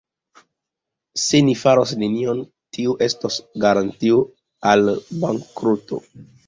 Se ni faros nenion, tio estos garantio al bankroto.